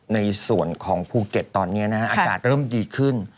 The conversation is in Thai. ในส่วนของภูเก็ตตอนนี้นะฮะอากาศเริ่มดีขึ้น